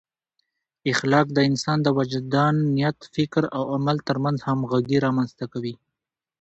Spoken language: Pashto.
اخلاق د انسان د وجدان، نیت، فکر او عمل ترمنځ همغږي رامنځته کوي.